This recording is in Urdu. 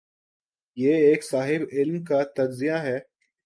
یہ ایک صاحب علم کا تجزیہ ہے۔